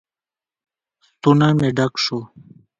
ستونى مې ډک سو.